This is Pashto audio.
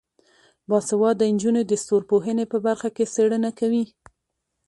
باسواده نجونې د ستورپوهنې په برخه کې څیړنه کوي.